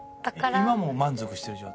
今も満足してる状態？